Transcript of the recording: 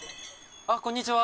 あっこんにちは！